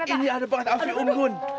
ini ada banget api unggun